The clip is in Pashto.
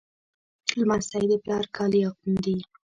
لمسی د پلار کالي اغوندي.